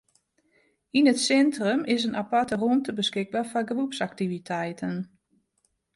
Yn it sintrum is in aparte rûmte beskikber foar groepsaktiviteiten.